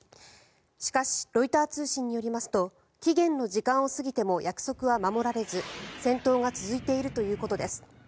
しかしロイター通信によりますと期限の時間を過ぎても約束は守られず戦闘が続いているということです。